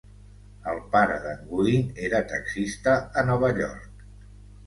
El pare d'en Gooding era taxista a Nova York.